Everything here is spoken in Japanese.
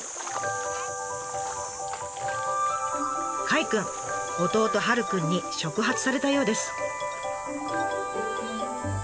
カイくん弟・ハルくんに触発されたようです。